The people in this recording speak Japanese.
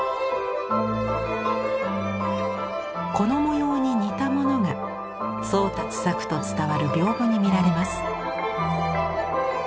この模様に似たものが宗達作と伝わる屏風に見られます。